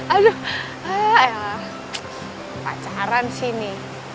aduh pacaran sih ini